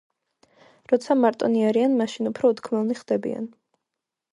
როცა მარტონი არიან, მაშინ უფრო უთქმელნი ხდებიან